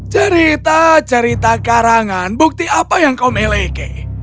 cerita cerita karangan bukti apa yang kau miliki